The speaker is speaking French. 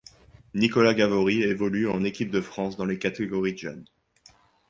Nicolas Gavory évolue en équipe de France dans les catégories de jeunes.